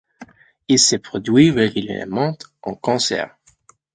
Elle se produit régulièrement en concert.